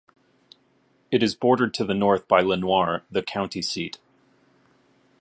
It is bordered to the north by Lenoir, the county seat.